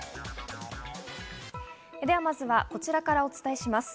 まずはこちらからお伝えします。